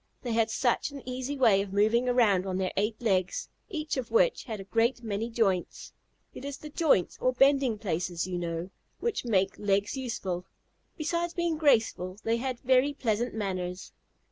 They had such an easy way of moving around on their eight legs, each of which had a great many joints. It is the joints, or bending places, you know, which make legs useful. Besides being graceful, they had very pleasant manners.